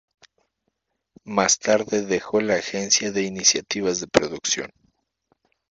Más tarde dejó la agencia de iniciativas de producción.